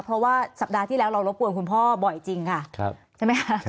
เพราะว่าสัปดาห์ที่แล้วเรารบกวนคุณพ่อบ่อยจริงค่ะใช่ไหมคะ